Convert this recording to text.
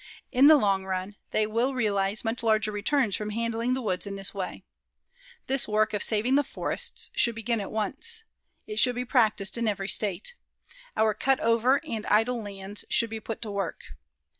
In the long run, they will realize much larger returns from handling the woods in this way. This work of saving the forests should begin at once. It should be practiced in every state. Our cut over and idle lands should be put to work.